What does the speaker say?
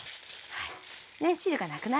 はい。